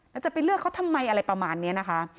แล้วจะไปเลือกเขาทำไมอะไรประมาณนี้นะคะ